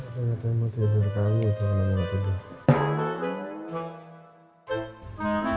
katanya mau tidur kamu itu yang mau tidur